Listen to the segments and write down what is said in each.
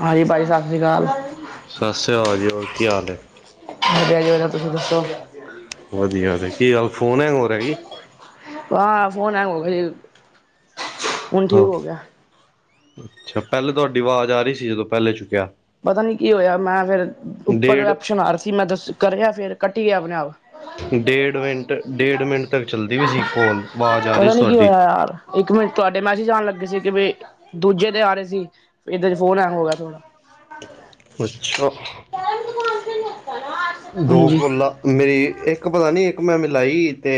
ਹਾਂਜੀ ਭਾਜੀ ਸਤਸ਼੍ਰੀ ਅਕਾਲ। ਸਤਿ ਸ੍ਰੀ ਅਕਾਲ ਜੀ ਹੋਰ ਕੀ ਹਾਲ ਹੈ ਵਧੀਆ ਜੀ ਵਧੀਆ, ਤੁਸੀਂ ਦੱਸੋ? ਵਧੀਆ, ਕੀ ਗੱਲ ਹੈੰਗ ਹੋ ਰਿਹਾ ਕੀ? ਹਾਂ, ਫੋਨ ਹੈੰਗ ਹੋ ਗਿਆ ਸੀ। ਹਾਂ, ਅੱਛਾ ਪਹਿਲੇ, ਤੁਹਾਡੀ ਆਵਾਜ਼ ਆ ਰਹੀ ਸੀ। ਜਦੋਂ ਪਹਿਲੇ ਚੁੱਕਿਆ। ਪਤਾ ਨੀ ਕੀ ਹੋਇਆ ਮੈਂ ਫਿਰ ਉੱਪਰ ਡੇਢ ਆਪਸ਼ਨ ਆ ਰਿਹਾ ਸੀ ਮੈਂ ਦੱਸ ਕਰਿਆ ਫਿਰ ਕੱਟੀ ਗਿਆ ਆਪਣੇ ਆਪ। ਡੇਢ ਮਿੰਟ ਡੇਢ ਮਿੰਟ ਤੱਕ, ਚੱਲਦੀ ਪਈ ਸੀ ਕਾਲ, ਆਵਾਜ਼ ਆ ਰਹੀ ਪਤਾ ਸੀ, ਨੀ ਕੀ ਤੁਹਾਡੀ। ਹੋਇਆ ਯਾਰ ਇੱਕ ਮਿੰਟ ਤੁਹਾਡੇ ਮੈਸੇਜ ਆਉਣ ਲੱਗੇ ਸੀ, ਕਿ ਵੀ ਦੂਜੇ ' ਆ ਰਹੇ ਸੀ। ਇੱਦਾਂ ' ਫੋਨ ਐਂ ਹੋ ਗਿਆ ਥੋੜ੍ਹਾ। ਅੱਛਾ। [unintelligible] ਦੋ ਕੋਲਾ ਮੇਰੀ ਇੱਕ ਪਤਾ ਨੀ ਇੱਕ ਮੈਂ ਮਿਲਾਈ ਤੇ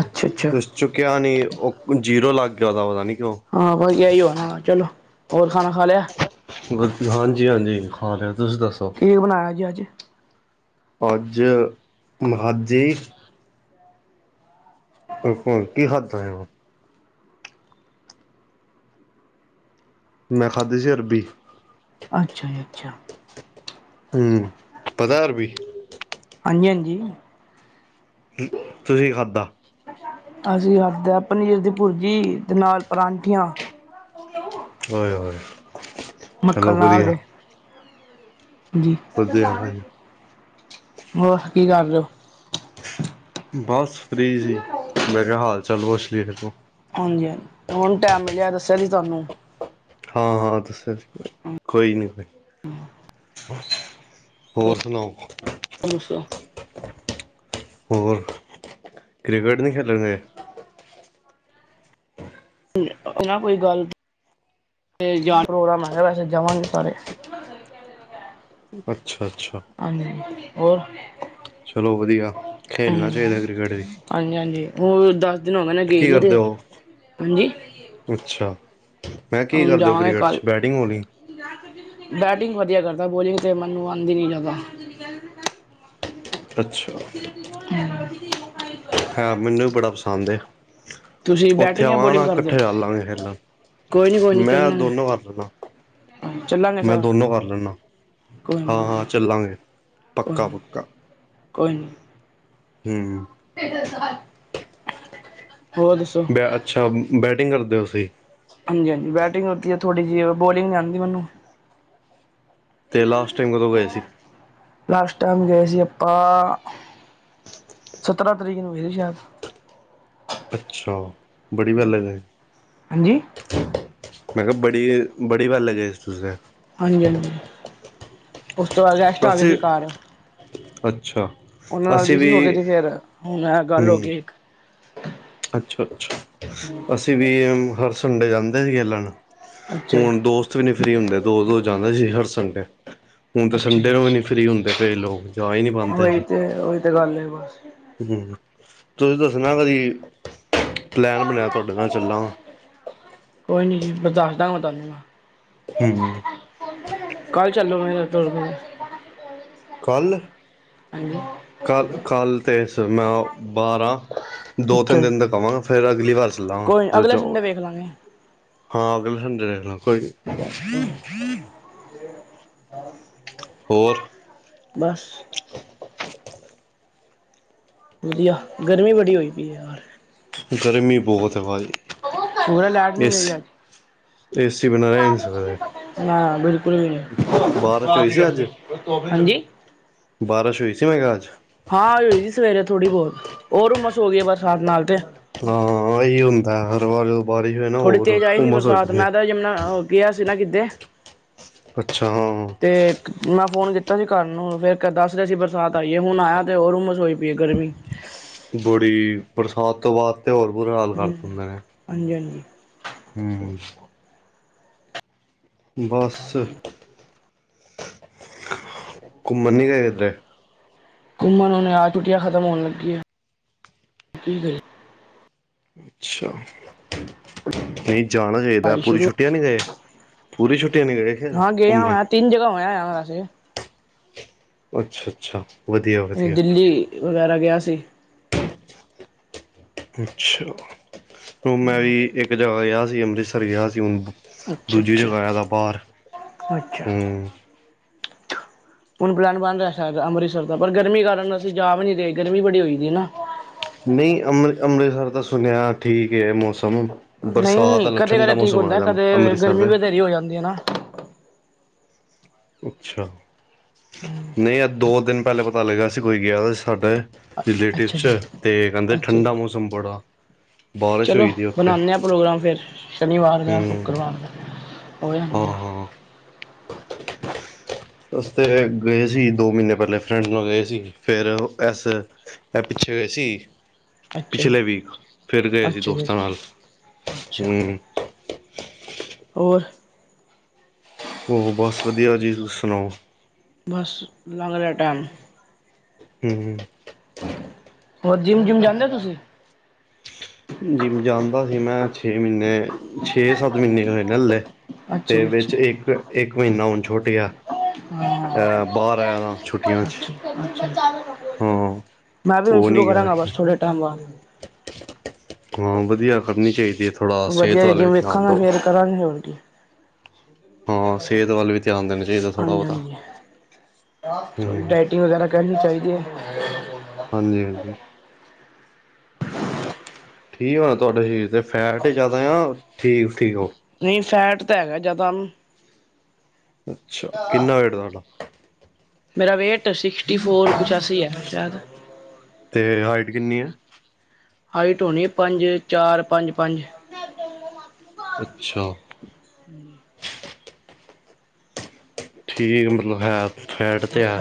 ਅੱਛਾ ਅੱਛਾ ਚੁੱਕਿਆ ਨਹੀਂ, ਉਹ ਜੀਰੋ ਲੱਗ ਗਿਆ। ਉਹਦਾ ਉਹਦਾ ਨਹੀਂ ਕਿਉ? ਹਾਂ, ਵਧੀਆ ਈ ਹੋਣਾ, ਚਲੋ, ਹੋਰ ਖਾਣਾ ਖਾ ਲਿਆ? ਹਾਂਜੀ-ਹਾਂਜੀ, ਖਾ ਲਿਆ, ਤੁਸੀਂ ਦੱਸੋ? ਕੀ ਬਣਾਇਆ ਜੀ ਅੱਜ। ਅੱਜ [unintelligible] ਫੇਰ, ਹੁਣ ਕੀ ਖਾਧਾ ਆ? ਮੈਂ ਖਾਧੀ ਸੀ ਅਰਬੀ। ਅੱਛਾ ਜੀ ਅੱਛਾ। ਹੂੰ ਪਤਾ ਅ ਅਰਬੀ। ਹਾਂਜੀ ਹਾਂਜੀ। ਤੁਸੀਂ ਕੀ ਖਾਧਾ? ਅਸੀਂ ਖਾਦੈ ਪਨੀਰ ਦੀ ਭੁਰਜੀ ਤੇ ਨਾਲ ਪਰਾਂਠੀਆਂ। [inaudible] [unintelligible] ਮੱਖਣ ਲਾ ਵਧੀਆ ਕੇ। ਹੋਰ ਵਧੀਆ ਵਧੀਆ ਕੀ, ਕਰ ਰਹੇ ਹੋ? ਬਸ, ਫ੍ਰੀ ਸੀ। ਮੈਂ ਕਿਹਾ, ਹਾਲ-ਚਾਲ ਪੁੱਛ ਲਈਏ, ਫਿਰ ਤੋਂ। ਹਾਂਜੀ -ਹਾਂਜੀ। ਹੁਣ ਟਾਈਮ ਮਿਲਿਆ, ਦੱਸਿਆ ਸੀ ਤੁਹਾਨੂੰ। ਹਾਂ- ਹਾਂ ਦੱਸਿਆ ਸੀ, ਕੋਈ ਨੀ -ਕੋਈ ਨੀ। [unintelligible] ਹੋਰ ਸੁਣਾਓ। [unintelligible] ਹੋਰ, ਕ੍ਰਿਕਟ ਨੀ ਖੇਲਣ ਗਏ? ਨਾਂ, ਕੋਈ ਗੱਲ ਕੀਤੀ। ਫਿਰ ਜਾਂ ਕੋਈ ਪ੍ਰੋਗਰਾਮ ਹੈਗਾ,, ਵੈਸੇ ਜਾਵਾਂਗੇ ਸਾਰੇ। ਅੱਛਾ -ਅੱਛਾ। ਹਾਂਜੀ, ਹੋਰ। ਚਲੋ, ਵਧੀਆ। ਖੇਡਣਾ ਹਮ ਚਾਹੀਦਾ, ਕ੍ਰਿਕਟ ਵੀ। ਹਾਂਜੀ -ਹਾਂਜੀ, ਉਹ ਦਸ ਦਿਨ ਹੋਗੇ ਨੇ ਗਏਂ ਕੀ ਨੀ, ਕਰਦੇ ਤੇ ਹੋ ਹਾਂਜੀ ਅੱਛਾ। ਮੈਂ ਕੀ ਹੁਣ ਕਰ ਦੇ ਹੋ, ਜਾਵਾਂਗੇ ਕ੍ਰਿਕਟ ਚ ਕੱਲ ਬੈਟਿੰਗ ਹੋਣੀ? ਬੈਟਿੰਗ ਵਧੀਆ ਕਰਦਾ ਬੋਲਿੰਗ ਤੇ ਮੈਨੂੰ ਆਂਦੀ ਨੀ ਜਿਆਦਾ। ਤੁਸੀਂ ਗੱਲ ਬੇਟਾ ਅੱਛਾ। [inaudible] ਹਾਂ, ਮੈਨੂੰ ਵੀ ਬੜਾ ਪਸੰਦ ਏ। ਤੁਸੀਂ ਉੱਥੇ, ਬੈਟਿੰਗ ਜਾਂ ਆਵਾਗਾ ਬੋਲਿੰਗ ਨਾ ਕਰਦੇ ਹੋ ਇਕੱਠੇ ਕੋਈ ਨੀ ਕੋਈ ਨੀ ਚੱਲਾਂਗੇ [unintelligible] ਚੱਲਾਂਗੇ ਮੈਂ, ਫੇਰ ਦੋਨੋਂ ਕਰ ਲੈਂਦਾ। ਕੋਈ ਨੀ ਹਾਂ -ਹਾਂ ਵਧੀਆ ਚੱਲਾਂਗੇ। ਕੋਈ ਪੱਕਾ- ਨੀ ਪੱਕਾ। ਕੋਈ ਨਹੀਂ। ਹਮ। ਹੋਰ, ਦੱਸੋ? ਬੈ ਅੱਛਾ, ਬੈਟਿੰਗ ਕਰਦੇ ਹੋ ਤੁਸੀਂ। ਹਾਂਜੀ- ਹਾਂਜੀ ਬੈਟਿੰਗ ਆਤੀ ਹੈ, ਥੋੜੀ ਜਿਹੀ। ਬੋਲਿੰਗ ਨਹੀਂ, ਆਉਦੀ ਮੈਨੂੰ। ਤੇ, ਲਾਸਟ ਟਾਈਮ ਕਦੋਂ ਗਏ ਸੀ? ਲਾਸਟ, ਟਾਈਮ ਗਏ ਸੀ ਆਪਾਂ ਸਤਰਾਂ, ਤਰੀਕ ਨੂੰ ਗਏ ਸੀ ਸ਼ਾਇਦ। ਅੱਛਾ, ਬੜੀ ਵਾਰ ਲਗੱਏ। ਹਾਂਜੀ ਮੈਂ ਕਿਹਾ ਬੜੀ -ਬੜੀ ਵਾਰ ਲਗਈਂ ਸੀ ਤੁਸਾਂ। ਹਾਂਜੀ-ਹਾਂਜੀ, ਉਸ ਤੋਂ ਬਾਅਦ ਗੈਸਟ ਆ ਗਏ ਅਸੀਂ ਸੀ ਘਰ। ਅੱਛਾ। ਉਹਨਾਂ ਨਾਲ ਵੀ ਸੀ ਹੋ ਗ ਤੇ ਫੇਰ ਹ ਹੂੰ, [unintelligible] ਅੱਛਾ-ਅੱਛਾ, ਅਸੀਂ ਵੀ ਹਰ ਸੰਡੇ ਜਾਂਦੇ ਸੀਗੇ ਖੇਲਣ ਅੱਛਾ ਜੀ ਹੁਣ ਦੋਸਤ ਵੀ ਨਹੀਂ ਫਰੀ ਹੁੰਦੇ, ਦੋਸ- ਦੋਸ ਜਾਂਦੇ ਸੀ ਹਰ ਸੰਡੇ। ਹੁਣ ਤਾਂ ਅੱਛਾ ਜੀ ਸੰਡੇ ਨੂੰ ਵੀ ਨਹੀਂ ਅੱਛਾ ਫਰੀ ਹੁੰਦੇ ਕਈ ਲੋਕ ਜਾ ਈ ਨੀ ਪਾਂਦੇ ਉਹੀ ਐਥੇ। ਤੇ ਉਹੀ ਤੇ ਗੱਲ ਹੈ ਬਸ ਹਮ ਤੁਸੀਂ ਦੱਸਣਾ। ਕਦੀ ਪਲੈਨ ਬਣਿਆ ਤਾ ਤੁਹਾਡੇ ਨਾਲ ਚੱਲਾਂਗਾ। ਕੋਈ ਨ ਜੀ। ਮੈਂ ਦੱਸ ਦਾਗਾ ਤੁਹਾਨੂੰ। ਹੂੰ, ਕੱਲ ਚੱਲੋ ਮੇਰੇ ਤੇਰਪੋ। ਕੱਲ੍ਹ? ਹਾਂਜੀ [inaudible] ਕੱਲ੍ਹ ਕੱਲ੍ਹ ਤੇ ਸਰ ਮੈਂ ਬਾਰਾਂ ਹਾਂ। ਦੋ ਤਿੰਨ ਅੱਛਾ ਜੀ ਦਿਨ ਤਕ ਕਵਾਂਗਾ। ਫਿਰ ਅਗਲੀ ਵਾਰ ਚੱਲਾਂ ਕੋਈ ਜੋ ਅਗਲੇ ਸੰਡੇ ਜੋ, ਵੇਖ ਲਾਂਗੇ ਹਾਂ ਅਗਲੇ ਸੰਡੇ ਕੋਈ ਅੱਛ [inaudible] ਹੋਰ? ਬਸ। ਵਧੀਆ, ਗਰਮੀ ਬੜੀ ਹੋਈ ਪਈ ਬਾਹਰ। ਗਰਮੀ ਬਹੁਤ ਹੈ ਭਾਈ। ਭੂਆ ਲਾਈਟ ਨੀ ਗਈ ਅੱਜ। ਏ ਸੀ ਬਿਣਾਂ? ਨਾ ਬਿਲਕੁਲ। ਬਾਰਿਸ਼ ਹੋਈ ਸੀ ਅੱਜ ਹਾਂਜੀ। ਬਾਰਿਸ਼ ਹੋਈ ਸੀ ਮੈਂ ਕਿਹਾ ਅੱਜ [inaudible] ਹਾਂ, ਅਜ ਹੋਈ ਸੀ ਸਵੇਰੇ ਥੋੜ੍ਹੀ ਬਹੁਤ। ਹੋਰ ਉਮਸ ਹੋ ਗਈ ਏ ਬਰਸਾਤ ਨਾਲ ਤੇ। ਹਾਂਅ, ਇਹੀ ਹੁੰਦਾ ਹਰ ਵਾਰ ਬਾਰਿਸ਼ ਹੋਏ ਨਾ ਹੋਰ ਉਮਸ ਹੋ ਜਾਂਦੀ ਹੈ। ਜਾ ਨਹਾਓ। ਗਿਆ ਸੀ ਨਾ ਕਿਧੇ? ਅੱਛਾ ਹਾਂ ਤੇ ਈਕ ਮੈਂ ਫੋਨ ਕੀਤਾ ਸੀ ਘਰ ਨੂੰ ਫਿਰ, ਕ ਦੱਸ ਰਾਹੇ ਸੀ ਬਰਸਾਤ ਆਈਏ, ਹੁਣ ਆਇਆ ਤੇ ਹੋਰ ਰੂਮਸ ਹੋਈ ਪਈ ਹੈ ਗਰਮੀ ਬੁੜੀ। ਬਰਸਾਤ ਤੋਂ ਬਾਅਦ ਤੇ। ਹੋਰ ਬੁਰਾ ਹਾਲ ਕਰ ਹੂੰ, ਦਿੱਤੇ ਨੇ। ਹਾਂਜੀ ਹਾਂਜੀ। ਹਮ। ਬਸ। ਘੁੰਮਣ ਨੀ ਗੇ ਇੱਧਰ। ਘੁੰਮਨ ਹੂਣੇਂ ਆ। ਛੁੱਟੀਆਂ ਖਤਮ ਹੋਣ ਲੱਗੀਆਂ ਠੀਕ ਹੈ ਜੀ। ਅੱਛਾ ਬਈ। ਜਾਣਾ ਚਾਹੀਦਾ। ਪੜ੍ਹਾਈ ਪੂਰੀ ਸ਼ੁਰੂ ਛੁੱਟੀਆ ਨਹੀਂ ਗਏ ਪੂਰੀ ਛੁਟੀਆਂ ਨਹੀਂ ਗਏ ਕੀ ਹਾਂ ਗਿਆ ਘੁੰਮਣ? ਮੈਂ ਤਿੰਨ ਜਗ੍ਹਾ ਹੋ ਆਆਂ ਵੇਸੇ। ਅੱਛਾ -ਅੱਛਾ। ਵਧੀਆ ਵਧੀਆ ਦਿੱਲੀ, ਵਗੈਰਾ ਗਿਆ ਸੀ। [unintelligible] ਅੱਛਾ। ਓ ਮੈਂ ਵੀ ਇੱਕ ਜਗ੍ਹਾ ਗਿਆ ਸੀ ਅੰਮ੍ਰਿਤਸਰ ਗਿਆ ਸੀ ਹੁਣ ਅੱਛਾ ਦੂਜੀ ਅੱਛਾ ਜਗ੍ਹਾ ਹੇਦਾ ਬਾਹਰ। ਅੱਛਾ ਹੁਣ ਪ੍ਰੋਗਰਾਮ ਬਣ ਰਿਹਾ ਅੰਮ੍ਰਿਤਸਰ ਦਾ। ਪਰ ਗਰਮੀ ਕਾਰਨ ਅਸੀਂ ਜਾ ਵੀ ਨਹੀਂ ਰਹੇ। ਗਰਮੀ ਬੜੀ ਹੋਈ ਦੀ ਹੈ ਨਾ। ਨਹੀਂ ਅੰਮ੍ਰਿ- ਅੰਮ੍ਰਿਤਸਰ ਤਾਂ ਸੁਣਿਆਂ ਠੀਕ ਮੌਸਮ। ਬਰਸਾਤ ਨਹੀਂ ਆਲਾ ਠੰਡਾ ਮੌਸਮ ਹੋਇਆ ਦਾ ਏ ਅੰਮ੍ਰਿਤਸਰ ਤੇ। ਫਿਰ ਹੋ ਜਾਂਦੀ ਹੈ ਨਾ। ਅੱਛਾ। ਨਹੀਂ ਅ ਦੋ ਦਿਨ ਪਹਿਲੇ ਪਤਾ ਲੱਗਾ ਸੀ। ਕੋਈ ਗਿਆ ਦਾ ਸੀ ਸਾਡੇ। ਰਿਲੇਟਿਵ ਅੱਛਾ ਜੀ ਚ। ਤੇ ਕਹਿੰਦੇ ਅੱਛਾ ਠੰਡਾ ਜੀ ਮੌਸਮ ਬੜਾ। ਬਾਰਿਸ਼ ਚਲੋ ਹੋਈ ਦੀ ਉੱਥੇ ਬਨਾਨੇ ਆ ਪ੍ਰੋਗਰਾਮ ਫਿਰ, ਸ਼ਨੀਵਾਰ ਦਾ ਹੂੰ ਸ਼ੁੱਕਰਵਾਰ ਦਾ। ਹੋ ਹਾਂ ਜਾਂਦੇ ਆ ਹਾਂ ਹਾਂ ਅਸੀਂ ਤੇ ਗਏ ਸੀ। ਦੋ ਮਹੀਨੇ ਪਹਿਲੇ ਫਰੈਂਡ ਨਾਲ ਗਏ ਸੀ। ਫਿਰ ਇਸ ਮ ਪਿੱਛੇ ਵਸੀ [unintelligible] ਅੱਛਾ ਜੀ ਪਿਛਲੇ ਵੀਕ ਫਿਰ ਗਏ ਸੀ ਅੱਛਾ ਜੀ ਦੋਸਤਾਂ ਨਾਲ। ਅੱਛਾ ਅੱਛਾ ਹਮ ਹੋਰ ਹੋਰ ਬਸ ਵਧੀਆ ਜੀ। ਤੁਸੀਂ ਸੁਣਾਓ। ਬਸ ਲੰਗ ਰਿਹਾ ਟਾਈਮ। ਹਮ। ਹੋਰ ਜਿੰਮ- ਜਿੰਮ ਜਾਂਦੇ ਹੋ ਤੁਸੀਂ? ਜਿਮ ਜਾਂਦਾ ਸੀ ਮੈਂ, ਛੇ ਮਹੀਨੇ ਛੇ-ਸੱਤ ਮਹੀਨੇ ਹੋਏ ਨੇ ਹਲੇ। ਅੱਛਾ ਤੇ ਜੀ ਵਿੱਚ ਅੱਛਾ ਇੱਕ- ਇੱਕ ਮਹੀਨਾ ਹੁਣ ਛੋਟ ਗਿਆ। ਚ [inaudible] ਅ ਬਾਹਰ ਆਇਆ ਦਾ ਛੁੱਟੀਆਂ ਚ ਹਾਂ ਮੈਂ ਵੀ ਹੁਣ ਉਹ ਸ਼ੁਰੂ ਨਹੀਂ ਗਿਆ ਕਰਾਂਗਾ ਬਸ ਥੋੜੇ ਟਾਈਮ ਬਾਦ। ਹਾਂ ਵਧੀਆ ਕਰਨੀ ਚਾਹੀਦੀ ਹੈ। ਥੋੜਾ ਸਿਹਤ ਵੱਲ ਵੀ ਧਿਆਨ ਦਓ। ਤਰ੍ਹਾਂ ਹੀ ਹੁੰਦੀ [unintelligible] ਹਾਂ ਹਾਂਜੀ- ਸਿਹਤ ਵੱਲ ਵੀ ਧਿਆਨ ਦੇਣਾ ਚਾਹੀਦਾ ਥੋੜ੍ਹਾ ਬਹੁਤਾ ਹਾਂਜੀ ਥੋਡੀ ਹੂੰ ਡਾਈਟਿੰਗ? ਟੀਗ ਵਗੈਰਾ ਕਰਨੀ ਚਾਹੀਦੀ ਹੈ। ਹਾਂਜੀ-ਹਾਂਜੀ। ਠੀਕ ਹੋਣਾ ਤੁਹਾਡੇ ਸਰੀਰ ਤੇ ਫੈਟ ਹੀ ਜ਼ਿਆਦਾ ਆ ਠੀਕ- ਠੀਕ ਹੋ। ਨਹੀਂ ਫੈਟ ਤਾਂ ਹੈਗਾ ਜਿਆਦਾ ਹਮਮ। ਅੱਛਾ, ਕਿੰਨਾ ਵੇਟ ਤੁਹਾਡਾ? ਮੇਰਾ ਵੇਟ ਸਿਕਸਟੀ ਫੋਰ ਪਚਾਸੀ ਹੈ ਸ਼ਾਇਦ। ਤੇ ਹਾਈਟ ਕਿੰਨੀ ਹੈ? ਹਾਈਟ ਹੋਣੀਏ ਪੰਜ- ਚਾਰ ਪੰਜ- ਪੰਜ। ਦੇ ਮ [unintelligible] ਅੱਛਾ। ਹਮ, ਠੀਕ ਮਤਲਬ ਹੈ। ਫੈਟ ਤੇ ਹੈ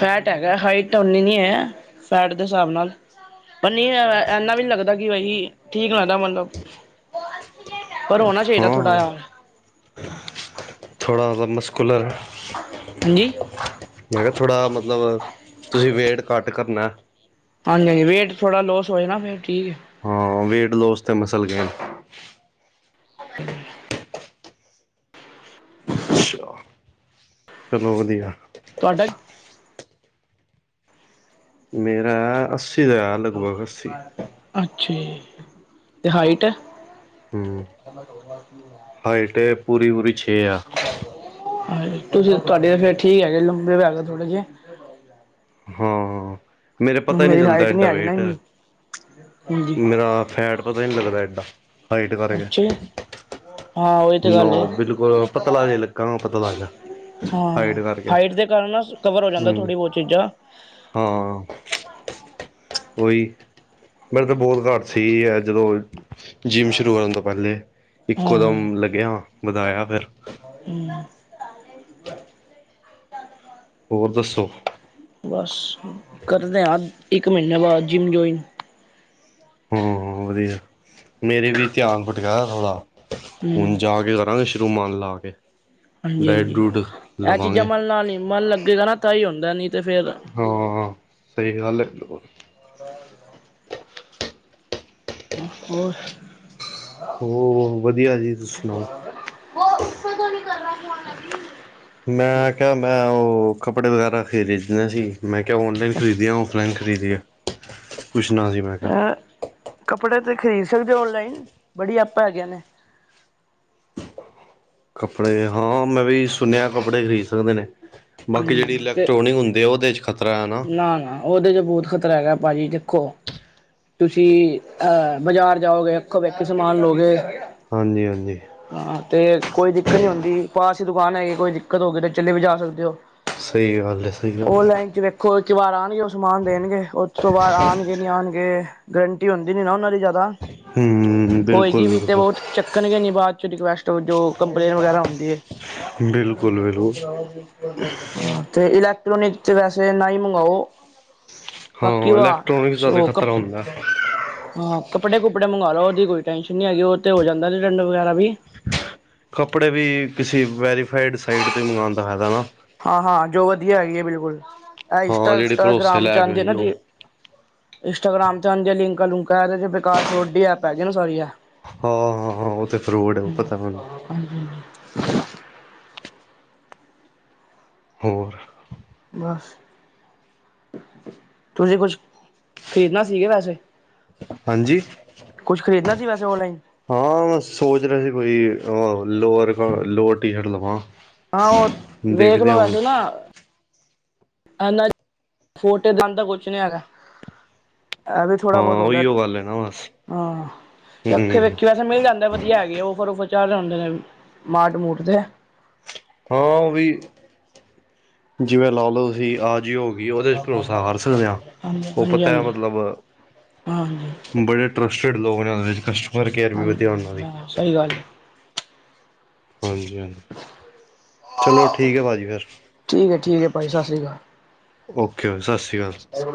ਫੈਟ ਹੈਗਾ, ਹਾਈਟ ਓਨੀ ਨਹੀਂ ਹੈ, ਫੈਟ ਦੇ ਹਿਸਾਬ ਨਾਲ। ਪਰ ਨਹੀਂ ਐਨਾ ਵੀ ਨ ਲੱਗਦਾ ਕਿ ਬਾਈ ਠੀਕ ਲੱਗਦਾ ਮਤਲਬ ਪਰ ਹਣਾ ਚਾਹੀਦਾ ਥੋੜਾ ਆਲ ਥੌੜ੍ਹਾ ਜਿਹਾ ਬੱਸ। ਹਾਂਜੀ। ਮੈਂ ਕਿਹਾ ਥੋੜ੍ਹਾ ਮਤਲਬ, ਤੁਸੀਂ ਵੇਟ ਘੱਟ ਕਰਨਾ ਹੈ। ਹਾਂਜੀ-ਹਾਂਜੀ, ਵੇਟ ਥੌੜ੍ਹਾ ਲੋਸ ਹੋਏ ਨਾ, ਫਿਰ ਠੀਕ। ਹਾਂ ਵੇਟ ਲੋਸ ਤੇ ਮਸਲ ਗੇਨ। [unintelligible] ਅੱਛਾ, ਚਲੋ ਵਧੀਆ। ਤੁਹਾਡਾ ਮੇਰਾ ਅੱਸੀ ਦਾ ਲਗਭਗ ਅੱਸੀ। ਅੱਛਾ ਜੀ, ਅਤੇ ਹਾਈਟ? ਹਮ ਹਾਈਟ ਏ ਪੂਰੀ- ਪੂਰੀ ਛੇ ਆ। ਹਾਂਜੀ, ਤੁਸੀਂ ਤੁਹਾਡੇ ਫੇਰ ਠੀਕ ਹੈਗੇ ਲੰਬੇ ਵੀ ਹੈਗੇ ਥੋੜ੍ਹੇ ਜੇ। ਹਾਂ- ਹਾਂ ਮੇਰੇ ਪਤਾ ਹੀ ਨਹੀਂ ਮੇਰੀ ਚੱਲਦਾ ਹਾਈਟ ਏਡਾ ਹੈਗੀ ਨਾ ਵੇਟ। ਇੰਨੀ ਹਾਂਜੀ। ਮੇਰਾ ਫੈਟ ਪਤਾ ਹੀ ਨਹੀਂ ਲੱਗਦਾ ਏਡਾ, ਹਾਈਟ ਕਰਕੇ। ਅੱਛਾ ਹਾਂ ਉਹੀ ਤੇ ਗੱਲਏ। ਨੋ ਪਤਲਾ ਜਾ ਲੱਗਾਗਾ ਵੀ ਪਤਲਾਜਾ। ਹਾਂ ਹਾਈਟ ਦੇ ਕਾਰਨ ਕਵਰ ਹੋ ਜਾਂਦਾ ਹੂੰ ਥੋੜ੍ਹੀ ਬਹੁਤ ਚੀਜ਼ਾਂ। ਹਾਂ। ਓਈ ਮੇਰੇ ਤੇ ਬੋਤ ਵਾਰ ਸੀ ਐ ਜਦੋਂ ਜਿੰਮ ਸ਼ੁਰੂ ਕਰਨ ਤੋਂ ਪਹਿਲ ਲੇ ਇੱਕੋ ਹਾਂ ਦਮ ਲੱਗਿਆ ਵਧਾਇਆ ਫਿਰ ਹਮ। ਹੋਰ ਦੱਸੋ? ਬਸ ਕਰਦੇ ਹਾਂ ਅੱ ਇੱਕ ਮਹੀਨੇ ਬਾਅਦ ਜਿੰਮ ਜੁਆਇਨ ਹਮ ਵਧੀਆ, ਮੇਰੇ ਵੀ ਧਿਆਨ ਫਟਕਾਇਆ ਥੋੜ੍ਹਾ ਹੂੰ ਹੁਣ ਜਾ ਕੇ ਕਰਾਂਗੇ ਰੁਮਾਲ ਲਾ ਕੇ। ਡਾਇਟ ਹਾਂਜੀ-ਹਾਂਜੀ ਡੂਟ ਇਹ ਚੀਜ਼ਾਂ ਲਵਾਂਗੇ ਮਨ ਨਾਲ ਨੀ ਮਨ ਲੱਗੇਗਾ ਨਾ ਤਾਂ ਹੀ ਹੁੰਦਾਏ ਨੀ ਤੇ ਫੇਰ ਹਾਂ, ਸਹੀ ਗੱਲ ਹੈ ਬਿਲਕੁਲ। ਹੋਰ। ਹਮਮਮ, ਵਧੀਆ ਜੀ ਤੁਸੀਂ ਸੁਣਾਓ? ਵੋ ਉਸ ਪੇ ਤੋ ਨੀ ਕਰ ਰਹਾ। [unintelligible] ਮੈਂ ਕਿਹਾ, ਮੈਂ ਉਹ ਕੱਪੜੇ ਵਗੈਰਾ ਖਰੀਦਨੇ ਸੀ। ਮੈਂ ਕਿਹਾ ਔਨਲਾਈਨ ਹੋਰ ਖਰੀਦਿਏ ਔਫਲਾਈਨ ਖਰੀ ਖਰੀਦੀ ਆ, ਪੁੱਛਣਾ ਸੀ ਮੈਂ ਕਿਹਾ ਕੱਪੜੇ ਤੇ ਖਰੀਦ ਸਕਦੇ ਔਨਲਾਈਨ। ਬੜੀ ਐਪਾਂ ਹੈਗੀਆਂ ਨੇ। ਕੱਪੜੇ ਹਾਂ ਮੈਂ ਵੀ ਸੁਨਿਆ ਕੱਪੜੇ ਖ਼ਰੀਦ ਸਕਦੇ ਨੇ। ਬਾਕੀ ਹਾਂਜੀ ਜਿਹੜੀ ਹਾਂਜੀ ਤੇ ਇਲੈਕਟ੍ਰੋਨਿਕ ਹੁੰਦੀ ਆ, ਉਹਦੇ ਚ ਖਤਰਾ ਹਨ ਨਾ। ਨਾ- ਨਾ ਉਹਦੇ ਚ ਬਹੁਤ ਖ਼ਤਰਾ ਹੈਗਾ ਭਾਜੀ ਦੇਖੋ ਤੁਸੀਂ ਅਹ ਬਾਜ਼ਾਰ ਜਾਓਗੇ, ਅੱਖੋਂ ਵੇਖੀ ਸਮਾਨ ਲਓਗੇ। ਹਾਂਜੀ- ਹਾਂਜੀ। ਹਾਂ, ਤੇ ਕੋਈ ਦਿੱਕਤ ਨੀ ਹੁੰਦੀ ਪਾਸੀਂ ਦੁਕਾਨ ਹੈਗੀ ਕੋਈ ਦਿੱਕਤ ਹੋ ਗਈ ਤੇ ਚਲੇ ਵੀ ਜਾ ਸਕਦੇ ਹੋ ਸਹੀ ਗੱਲ ਹੈ ਸਹੀ [unintelligible] ਗੱਲ ਉਹ ਹੈ ਲਾਈਨ ਚ ਵੇਖ। ਖੋ ਇੱਕ ਵਾਰ ਆਉਣਗੇ ਉਹ ਸਮਾਨ ਦੇਣਗੇ ਉਹ ਤੋਂ ਬਾਅਦ ਆਉਣਗੇ ਨਹੀਂ ਆਉਣਗੇ ਗਰੰਟੀ ਹੁੰਦੀ ਨਹੀਂ ਨਾ ਉਹਨਾਂ ਦੀ ਜ਼ਿਆਦਾ। ਹੂ। ਹੋਏਗੀ ਵੀ ਤੇ ਬਹੁਤ ਚੱਕਣਗੇ ਨੀ ਬਾਅਦ ਚ, ਰਿਕੁਐਸਟ ਜੋ ਕੰਪਲੇਨ ਵਗੈਰਾ ਹੁੰਦੀ ਹੈ ਬਿਲਕੁਲ। ਬਿਲਕੁਲ [unintelligible] ਤੇ ਇਲੈਕਟ੍ਰੋਨਿਕ, ਤੇ ਵੈਸੇ ਨਾ ਹੀ ਮੰਗਵਾਓ। ਬਾਕੀ ਹਾਂ ਓ ਆ, ਇਲੈਕਟ੍ਰੋਨਿਕਸ ਦਾ ਤਾਂ ਸ਼ੋਕੱਪ ਖ਼ਤਰਾ ਹੁੰਦਾ ਹਾਂ ਕੱਪੜੇ- ਕੁੱਪੜੇ ਮੰਗਵਾ ਲਓ, ਉਹਦੀ ਕੋਈ ਟੈਨਸ਼ਨ ਨੀ ਹੈਗੀ। ਉਹ ਤੇ ਹੋ ਜਾਂਦਾਐ ਸਡੰਡ ਵਗੈਰਾ ਵੀ। ਕੱਪੜੇ ਵੀ ਕਿਸੀ ਵੈਰੀਫਾਈਡ ਸਾਈਟ ਤੇ ਮੰਗਉਣ ਦਾ ਹੇਗਾ ਨਾ। ਹਾਂ-ਹਾਂ ਜੋ ਵਧੀਆ ਹੈਗੀ ਹੈ ਬਿਲਕੁਲ, ਏਹ ਹਾਂ ਈਨਸਟਾ- ਜਿਹੜੀ ਈਨਸਟਾ ਭਰੋਸੇ ਗ੍ਰਾਮ ਚੰ ਲੈ ਕੇ ਆਨੰਦੀ ਐ ਹੋਈ ਨਾ ਉਹ ਰੀ ਇੰਟਾਗ੍ਰਾਮ 'ਤੇ ਅੰ ਜ ਲਿੰਕ ਲੁਕ ਇਹ 'ਚ ਬੇਕਾਰ ਫਰੋਡੀ ਐਪ ਹੈਗੀ ਨਾ ਸਾਰੀ ਹੈ। ਹਾਂ -ਹਾਂ -ਹਾਂ ਉਹ ਤੇ ਫਰੂਟ ਹੈ, ਉਹ ਪਤਾ ਮੈਨੂੰ। ਹਜੀ [inaudible] ਹੋਰ। ਬਸ। ਤੁਸੀਂ ਕੁਛ ਖ਼ਰੀਦਣਾ ਸੀਕੀ ਵੈਸੇ? ਹਾਂਜੀ। ਕੁਛ ਖਰੀਦਣਾ ਸੀ ਵੈਸੇ ਔਨਲਾਈਨ? ਹਾਂ ਮੈਂ ਸੋਚ ਰਿਹਾ ਸੀ ਕੋਈ ਲੋਰ- ਲੋਅਰ ਟੀ ਸ਼ਰਟ ਲਵਾਂ। ਹਾਂ, ਉਹ ਵੇਖ ਦੇਖਦੇ ਲੋ ਆ ਹੁਣ ਵੈਸੇ ਨਾ। ਏਨਾਂ 'ਚ [unintelligible] ਜਾਂਦਾ ਕੁਝ ਨੀ ਹੈਗਾ। ਇਹ ਵੀ ਥੋੜਾ ਹਾਂ ਬਹੁਤ ਹੁੰਦਾਏ ਉਹੀਓ ਗੱਲ ਹੈ ਨਾ ਬਸ ਹਾ ਤੇ ਅੱਖੀ ਹਮ ਵੇਖੀਆਂ ੈਸੇ ਮਿਲ ਜਾਂਦਾ ਵਧੀਆ ਹੈਗੇ ਉਹ ਔਫਰ- ਆਫਰ ਚੜ ਹੁੰਦੇ ਨੇ ਮਾਟ- ਮੂਟ ਤੇ ਹਾਂ ਉਹ ਵੀ ਜਿਵੇਂ ਲਾ ਲਓ ਤੁਸੀਂ ਆ ਜਿਓ ਕਿ ਉਹਦੇ ਚ ਭਰੋਸਾ ਕਰ ਸਕਦੇ ਹਾਂ ਹਾਂਜੀ ਉਹ ਹਾਂਜੀ ਪਤਾ ਹਾਂਜੀ ਮਤਲਬ ਹਾਂਜੀ ਬੜੇ ਟਰਸਟਿੱਡ ਲੋਕ ਨੇ ਉਹਦੇ ਕਸ ਹਾਂਜੀ- ਹਾਂਜੀ ਹਾਂ ਸਹੀ ਗੱਲ ਹੈ। ਹਾਂਜੀ- ਹਾਂਜੀ। ਚਲੋ ਠੀਕ ਹੈ ਭਾਜੀ ਫੇਰ। ਠੀਕ ਹੈ ਠੀਕ ਹੈ ਭਾਈ ਸਤਿ ਸ਼੍ਰੀ ਓਕੇ, ਸਤ ਸ਼੍ਰੀ ਅਕਾਲ ਸਤ